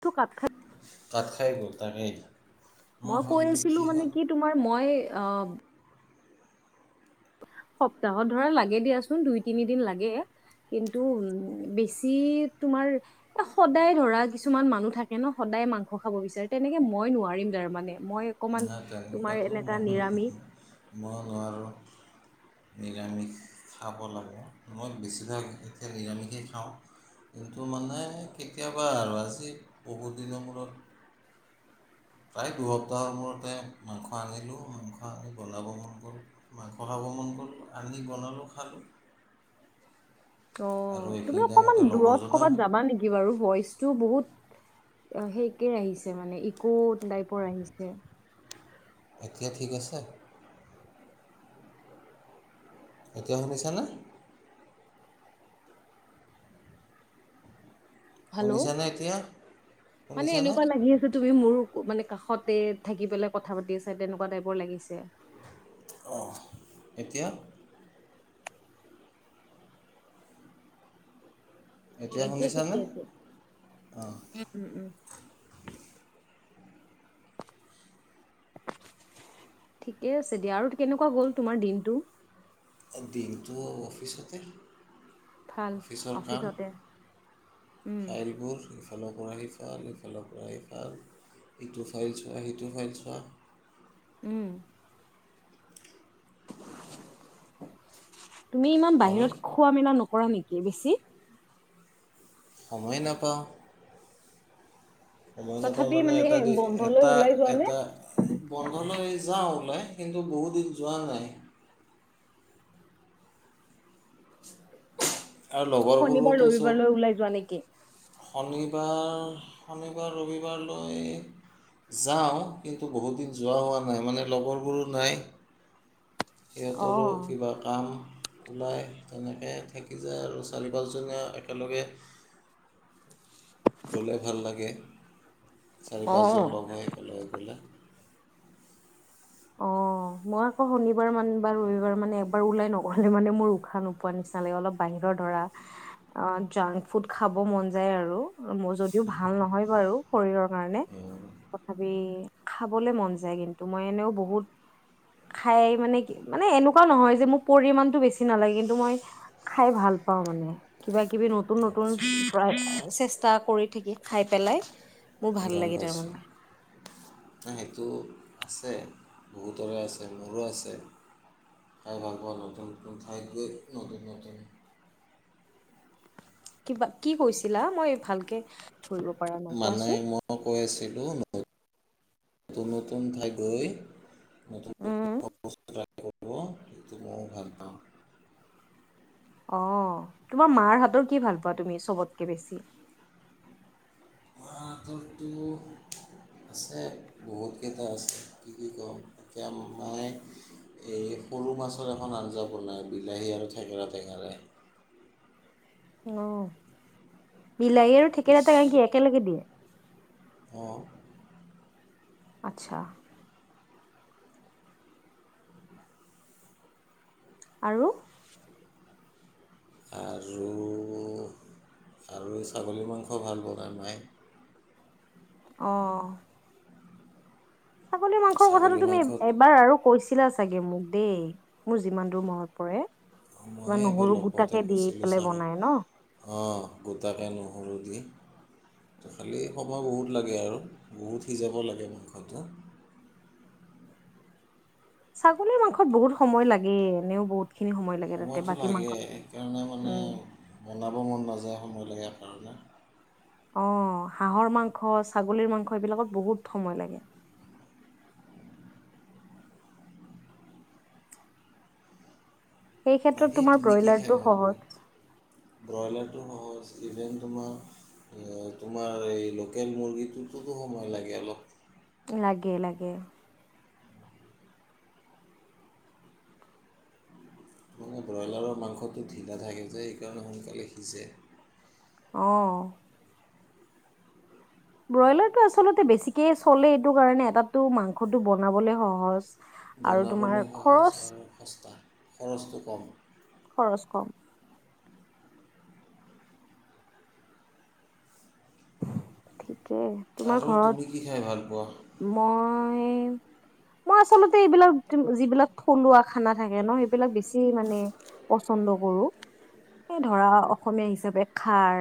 তটো কাপ খাই আছে গ তাকেই মই কৈ আছিলো মানে কি তোমাৰ মই অ সপ্তাহত ধৰা লাগে দিয়াচোন দুই তিনিদিন লাগে কিন্তু উ বেছি তোমাৰ এ সদায় ধৰা কিছুমান মানুহ থাকে ন সদায় মাংস খাব বিচাৰে তেনেকে মই নোৱাৰিম তাৰমানানে ইতেনেকুৱাটো মই নিৰামিষ মই নোৱাৰ নিৰামিষ খাব লাগে মই বেছিভাগ এতিয়া নিৰামিষেই খাওঁ কিন্তু মানে কেতিয়াবা আৰু আজি বহুত দিনৰ মূৰত প্ৰায় দুসপ্তাহৰ মূৰতে মাংস আনিলোঁ মাংস আনি বনাব মন কৰোঁ মাংস খাব মন কৰলোঁ আনি বনালোঁ খালোঁ অ আৰু তুমি এইখিনি অকমান টাইমতে দূৰত লগৰজনেও কৰ'বাত যাবা নেকি বাৰু ভইচটো বহুত অ সেইকেই আহিছে মানে ইকো টাইপৰ আহিছে এটিয়া ঠিক আছে এতিয়া শুনিছানে হেল্ল' শুনিছানে এতিয়া মানে শুনিছানে এনেকুৱা লাগি আছো তুমি মোৰ মানে কাষতে থাকি পেলাই কথা পাতি আছে তেনেকুৱা টাইপৰ লাগিছে অঁ এতিয়া অ এতিয়া ঠিকে আছে অঁ উ উম উম ঠিকেই আছে দিয়া আৰু কেনেকুৱা হ'ল তোমাৰ দিনটো দিনটো অফিচতে ভাল অফিচতে উম আহিব সফালৰ পৰা সি খাল ইফালৰ পৰা সি খাল ইটো ফাইল চোৱা সিটো ফাইল চোৱা উম তুমি ইমান আৰু বাহিৰত খোৱা মেলা ন কৰা নেকি বেছি সময় নাপাওঁ সময় নাপাওঁ তথাপি মানে এটা দি বন্ধলৈ এটা ওলাই যোৱা নে এটা বন্ধলৈ যাওঁ। ওলাই কিন্তু বহুত দিন যোৱা নাই। আৰু শনিবাৰ লগৰবোৰোতো চব ৰবিবাৰলৈ ওলাই যোৱা নেকি? শনিবাৰ শনিবাৰ ৰবিবাৰলৈ যাওঁ কিন্তু বহুত দিন যোৱা হোৱা নাই মানে লগৰবোৰো নাই। অ সিহঁতৰো কিবা কাম? ওলায় তেনেকৈ থাকি যায় আৰু চাৰি পাঁচজনীয়া একেলগে গ'লে ভাল লাগে। চাৰি পাঁচজন অ লগ হৈ ক'লে গলে? অ মই আকৌ শনিবাৰ মানে বা ৰবিবাৰ মানে একবাৰ ওলাই নগলে মানে মোৰ উশাহ নোপোৱা নিচিনা লাগে অলপ বাহিৰৰ ধৰা অ জাংক ফুড খাব মন যায় আৰু যদিও ভাল নহয় বাৰু শৰীৰৰ কাৰণে তথাপি খাবলে মন যায় কিন্তু মই এনেও বহুত খাই মানে কি মানে এনেকুৱাও নহয় যে মোৰ পৰিমণতটো বেছি নালাগে কিন্তু মই খাই ভাল পাওঁ মানে কিবা কিবি নতুন নতুন চেষ্টা কৰি থাকি খাই পেলাই মোৰ ভাল গম লাগে পাইছোঁ তাৰমানে সেইটো, আছে বহুতৰে আছে মোৰো আছে খাই ভাল পোৱা নতুন নতুন ঠাইত গৈ নতুন নতুন কিবা কি কৈছিলা মই ভালকে ধৰিব পৰা নাই মানে কোৱাচোন মই কৈ আছিলো ন নতুন নতুন ঠাইত গৈ ম টো উম মই ভাল পাওঁ। অ তোমাৰ মাৰ হাতৰ কি ভাল পোৱা তুমি চবতকে বেছি আাৰাতো আছে বহুতকেইটা আছে কি কি কওঁ এতিয়া মই এই সৰু মাছৰ এখন আঞ্জা বনায় বিলাহী আৰু থেকেৰা ৰে ন বিলাহী আৰু থেকেৰা এটা গক কি একেলগে দিয়ে অ আচ্ছা। আৰু আৰু আৰু এই ছাগলী মাংস ভাল বনায় নাই অঁ। ছাগলী মাংসৰ কথাটো ছাগলী তুমি মাংসত এবাৰ আৰু কৈছিলা চাগে মোক দেই মোৰ যিমান দূৰ মনত পৰে, অঁ কিবা মইে এইবাৰ নহৰু লগ পতে গোটাকে দি কৈছিলোঁ পেলাই চাগে বনাই ন অঁ গোটাকে নহৰু দি ত খালি সময় বহুত লাগে আৰু বহুত সিজাব লাগে মাংসটো ছাগলীৰ মাংসত বহুত সময় লাগে এনেও বহুত। খিনি সময় লাগে তাতে সময়টো বাকী লাগে মাংসত সেইকাৰণে মানে উম বনাব মন নাযায়। কম হ'বলগীয়া কাৰণে আহ হাঁহৰ মাংস ছাগলীৰ মাংস এইবিলাকত বহুত সময় লাগে। সেই ক্ষেত্ৰত বাকী তোমাৰ তুমি কি খাই ব্ৰয়লাৰটো ভাল পোৱা সহজ ব্ৰইলাৰটো সহজ ইভেন তোমাৰ তোমাৰ এই লোকেল মুৰ্গীটোতো সময় লাগে অলপ লাগে লাগে মানে ব্ৰইলাৰৰ মাংসটো ধিলা থাকে যে সেইকাৰণে সোনকালে সিজে। অহ ব্ৰইলাৰটো আচলতে বেছিকে চলে এইটো কাৰণে তাতটো মাংসটো বনাবলে সহজ। আৰু তোমাৰ বনাবলৈ সহজ খৰচ আৰু সস্তা খৰচটো কম খৰচ কম ঠিকেই তোমাৰ আৰু ঘৰত তুমি কি খাই ভাল পোৱা? মই মই আচলতে এইবিলাক যিবিলাক থলুৱা খানা থাকে ন সেইবিলাক বেছি মানে পচন্দ কৰো এই ধৰা অসমীয়া হিচাপে খাৰ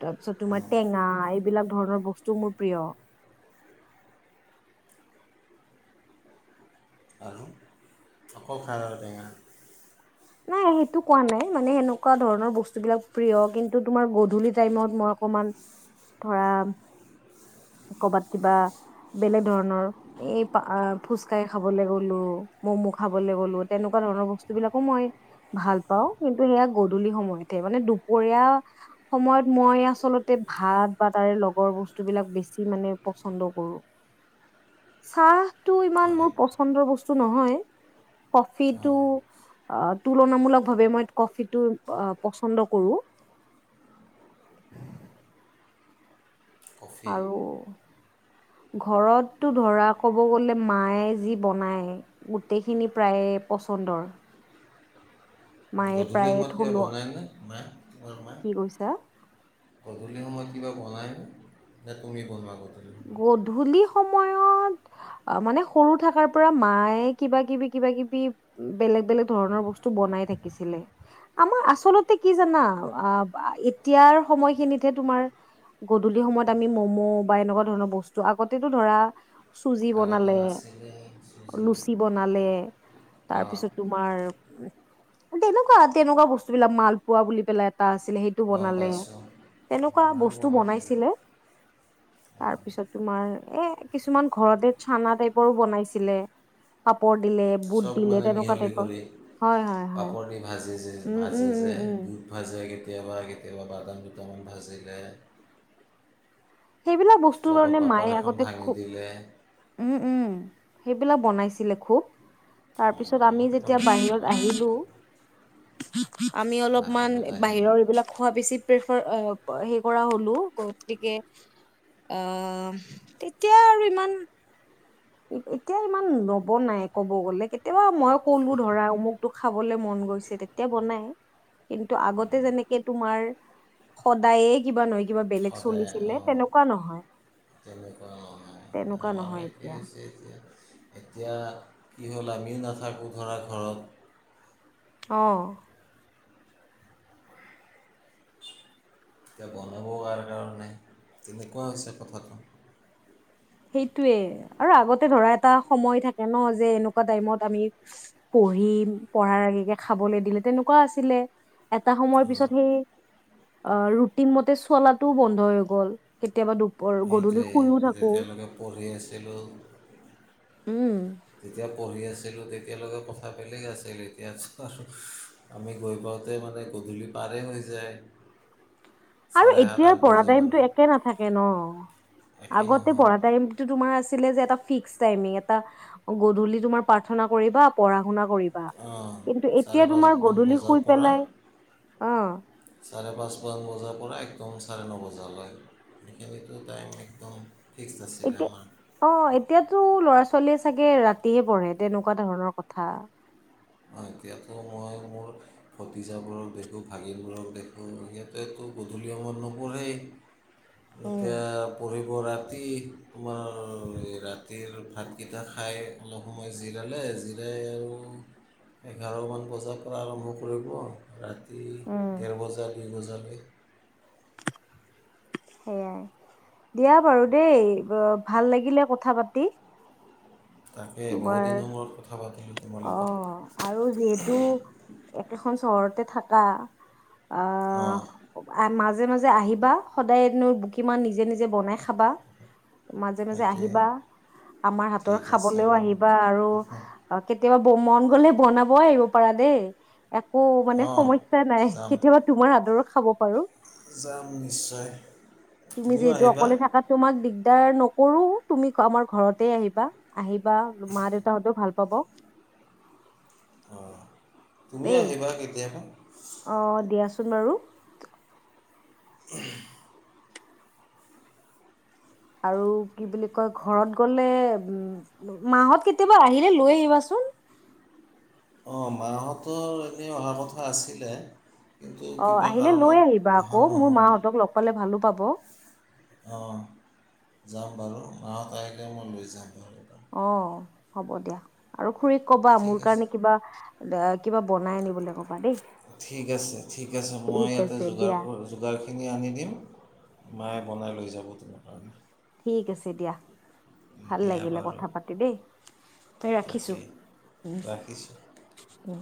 তাৰপিছত তোমাৰ টেঙা এইবিলাক ধৰণৰ বস্তু মোৰ প্ৰিয়। আকৌ খাৰ আৰু বেগেনা। নাই সেইটো কোৱা নাই মানে সেনেকুৱা ধৰণৰ বস্তুবিলাক প্ৰিয় কিন্তু তোমাৰ গধূলি টাইমত মই অকমান ধৰা কৰ'বাত কিবা বেলেগ ধৰণৰ এই ফুচকাই খাবলৈ গলো মম খাবলৈ গলো তেনেকুৱা ধৰণৰ বস্তু বিলাকো মই, ভাল পাওঁ কিন্তু সেয়া গধূলি সময়তহে মানে দুপৰীয়া সময়ত মই আচলতে ভাত বা তাৰে লগৰ বস্তুবিলাক বেছি মানে পচন্দ কৰো চাহটো ইমান মোৰ হয় পচন্দৰ বস্তু নহয় কফিটো অঁ আহ তুলনামূলকভাৱে মই কফিটো পচন্দ কৰো। কফি আৰু ঘৰতটো ধৰা ক'ব গ'লে মায়ে যি বনায় গোটেইখিনি প্ৰায়ে পচন্দৰ মায়ে গধূলি প্ৰায়ে সময়ত কিবা থলুৱা বনায়নে মা বা মা কি কৈছা গধূলি সময়ত, কিবা বনাই যে তুমি বনোৱা যৰত গধূলি সময়ত মানে সৰু থকাৰ পৰা মায়ে কিবা কিবি কিবা কিবি বেলেগ বেলেগ ধৰণৰ বস্তু বনাই থাকিছিলে আমাৰ আচলতে কি জানা আ এতিয়াৰ সময়খিনিতহে তোমাৰ গধূলি সময়ত আমি মম' বা এনেকুৱা, বেলেগ ধৰণৰ বস্তু আগতেতো ধৰা চুজি, আগতে বনালে নাছিলে চুজি লুচি বনালে তাৰ অঁ পিছত তোমাৰ উ তেনেকুৱা তেনেকুৱা বস্তু বিলাক মালপোৱা বুলি পেলাই এটা আছিলে সেই গম বনালে পাইছোঁ তেনেকুৱা বস্তু বনাইছিলে তাৰ অঁ [unintelligible] তাৰ পিছত তোমাৰ এ কিছুমান ঘৰতে চানা টাইপৰো বনাইছিলে পাপৰ, দিলে বুট চব দিলে মানে তেনেকুৱা মিহলি টাইপৰ কৰি হয় হয় হয় পাপৰ দি ভাজে যে উম উম ভাজে যে উম উম বুট ভাজে কেতিয়াবা কেতিয়াবা বাদাম, কেইটামান ভাজিলে। সেইবিলাক বস্তুৰ লগত কাৰণে পাপৰ মায়ে এখন আগতে ভাঙি দিলে খুব উম উম সেইবিলাক বনাইছিলে খুব অঁ, তাৰপিছত আমি আমাৰো যেতিয়া বনাইছিলে বাহিৰত মায়ে আহিলো আগতে [unintelligible] আমি অলপমান বাহিৰত আহি বাহিৰৰ এইবিলাক খোৱা বেছি প্ৰেফাৰ সেই কৰা হ'লো গতিকে, আহ তেতিয়া আৰু ইমান এতিয়া ইমান নবনাই কব গলে কেতিয়াবা মই কলো ধৰা অমুকটো খাবলে মন গৈছে তেতিয়া বনাই কিন্তু আগতে যেনেকে তোমাৰ সদায়ে কিবা নহয় কিবা বেলেগ সদায় চলিছিলে অঁ তেনেকুৱা নহয় তেনেকুৱা নহয় তেনেকুৱা আমাৰো নহয় একেই এতিয়া হৈছে এতিয়া এতিয়া কি হ'ল আমিও নাথাকোঁ ধৰা ঘৰত অঁ। এতিয়া বনাব কাৰ কাৰণে তেনেকুৱা হৈছে কথাটো। সেইটোৱে আৰু আগতে ধৰা এটা সময় থাকে ন যে এনেকুৱা টাইমত আমি পঢ়িম পঢ়াৰ আগেকে খাবলৈ দিলে তেনেকুৱা আছিলে এটা সময়ৰ অঁ পিছত সেই ৰুটিন মতে চলাটোও বন্ধ হৈ গ'ল কেতিয়াবা দু সেইটোৱে তেওঁলোকে। পঢ়ি আছিলোঁ। উম। তেতিয়া পঢ়ি আছো। তেতিয়ালৈকে কথা বেলেগ আছিল এতিয়া আমি গৈ পাওঁতে মানে গধূলি পাৰ হৈ যায়। আৰু চাৰে সাত এতিয়া আঠ পঢ়া বাজে টাইমতটো মানে একে নাথাকে ন একে আগতে নহয় পঢ়া টাইমতো তোমাৰ আছে। এটা ফিশ টাইমিং আতা গধূলি তুমি পৰ্থনা কৰিবা। কৰিবা অঁ কিন্তু চাৰে এতিয়া পাঁচ তোমাৰ গধূলি বজাৰ শুই পৰা পেলাই অ চাৰে পাঁচমান বজাৰ পৰা, কম চাৰে ন বজালৈ হেনেকেও টাইম একদম। ফিক্সড আছিলে আমাৰ এতিয়া অ এতিয়াতো ল'ৰা ছোৱাল- চলি চাগে ৰাতিহে পঢ়ে তেনেকুৱা ধৰণৰ কথা। এতিয়াতো মই মোৰ ভতিজাবোৰক দেখোঁ ভাগিনবোৰক দেখোঁ সিহঁতেতো গধূলি সময়ত নপঢ়ে। উম এতিয়া পঢ়িব। ৰাতি তোমাৰ ৰাতিৰ ভাতকেইটা খাই অলপ সময় জিৰালে জিৰাই আৰু। এঘাৰমান বজাৰ পৰা আৰম্ভ কৰিব ৰাতি। উম ডেৰ বজাৰ দু বজাৰ। জালি। সেয়াই দিয়া বাৰু দেই ভাল লাগিলে কথা পাতি। তাকে বহুদিনৰ মূৰত কথা পাতিলোঁ। তোমাৰ লগত অঁ আৰু যিহেতু একেখন চহৰ। ঘৰতে থাকা। অঁ মাজে মাজে। যে, আহিবা সদায়নো বো কিমান নিজে নিজে বনাই খাবা। মাজে মাজে সেইটোৱে আহিবা আমাৰ হাতৰ ঠিক আছে খাবলৈও বাৰু আহিবা আৰু, কেতিয়াবা মন গ'লে বনাব আহিব পাৰা দেই। একো মানে অঁ সমহ্যা নাই যাম কেতিয়াবা তোমাৰ আদৰৰ। খাব পাৰো। যাম নিশ্চয় তুমি তুমিও যিহেতু আহিবা? অকলে থাকা তোমাক দিগদাৰ নকৰো তুমি আমাৰ ঘৰতে আহিবা। আহিবা মা দেউতাহঁতেও ভাল। পাব। অঁ। দেই অ দিয়াছোন কোন বাৰু উ আৰু কি বুলি কয় ঘৰত গলে উ মাহত কেতিয়াবা আহিলে লৈ আহিবাচোন অঁ মাহঁতে এনেই অহা কথা আছিলে। কিন্তু অ কিবা আহিলে লৈ কাৰণত আহিবা অহা আকৌ মোৰ নহ'ল মাহঁতক লগ পালে ভাল লাগিব হব অঁ যাম বাৰু মাহত আহিলে মই লৈ যাম বাৰু এবাৰ অ হ'ব দিয়া আৰু খুৰীক কবা ঠিক মোৰ আছে কাৰণে কিবা কিবা বনাই আনিবলৈ কবা দেই ঠিক আছে ঠিক আছে মই ঠিক ইয়াতে আছে যোগাৰ দিয়া যোগাৰখিনি আনি দিম মায়ে বনাই লৈ যাব তোমাৰ কাৰণে ঠিক আছে দিয়া ভাল দিয়া লাগিলে বাৰু কথা পাতি দেই ত ৰাখিছো তাকেই উম ৰাখিছোঁ উম